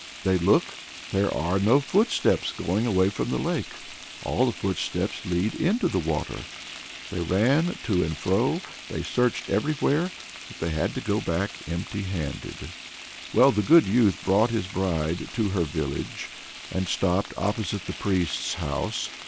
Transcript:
They look: there are no footsteps going away from the lake; all the footsteps lead into the water! They ran to and fro, they searched everywhere, but they had to go back empty handed. Well, the good youth brought his bride to her village, and stopped opposite the priest's house.